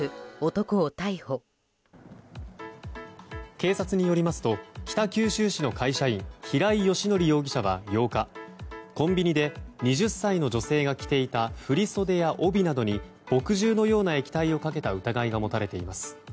警察によりますと北九州市の会社員平井英康容疑者は８日、コンビニで２０歳の女性が着ていた振り袖や帯などに墨汁のような液体をかけた疑いが持たれています。